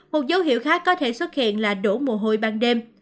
một dấu hiệu khác có thể xuất hiện là đổ mù hôi ban đêm